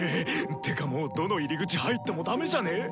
てかもうどの入り口入ってもダメじゃね？